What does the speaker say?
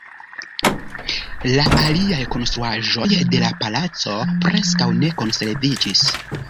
La aliaj konstruaĵoj de la palaco preskaŭ ne konserviĝis.